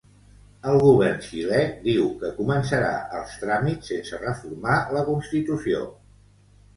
El govern xilè diu que començarà els tràmits sense reformar la constitució.